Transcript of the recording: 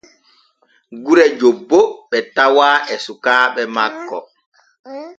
Gure jobbo ɓe tawa e sukaaɓe makko.